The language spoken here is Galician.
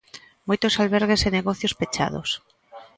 Moitos albergues e negocios pechados.